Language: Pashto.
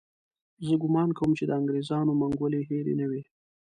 زه ګومان کوم چې د انګریزانو منګولې هېرې نه وي.